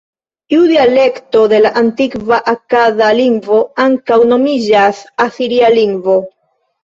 Iu dialekto de la antikva akada lingvo ankaŭ nomiĝas Asiria lingvo.